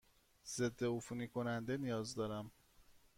ضدعفونی کننده نیاز دارم.